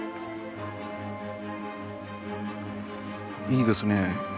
いいですね。